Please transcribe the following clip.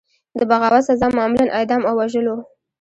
د بغاوت سزا معمولا اعدام او وژل وو.